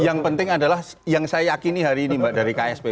yang penting adalah yang saya yakini hari ini mbak dari ksp